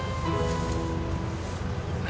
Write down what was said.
itu bukan pekerjaan yang mudah